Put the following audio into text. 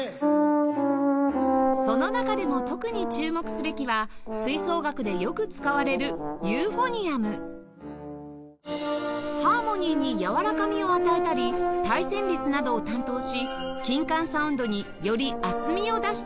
その中でも特に注目すべきは吹奏楽でよく使われるユーフォニアムハーモニーにやわらかみを与えたり対旋律などを担当し金管サウンドにより厚みを出しています